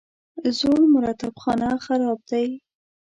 زوړ مطرب خانه خراب دی.